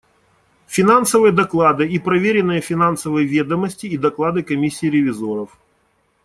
Финансовые доклады и проверенные финансовые ведомости и доклады Комиссии ревизоров.